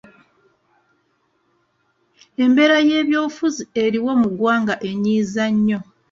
Embeera y'ebyobufuzi eriwo mu ggwanga enyiiza nnyo.